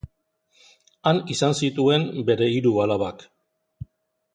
Han izan zituen bere hiru alabak.